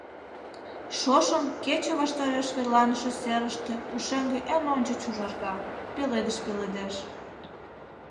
Шошым кече ваштареш верланыше серыште пушеҥге эн ончыч ужарга, пеледыш пеледеш.